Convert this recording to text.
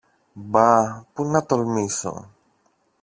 Μπα! Πού να τολμήσω!